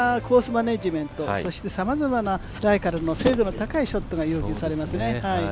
マネジメント、そしてさまざまなライからの精度の高いショットが要求されますね。